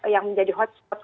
yang menjadi hotspot